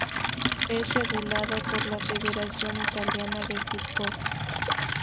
Es regulado por la Federación Italiana de Fútbol.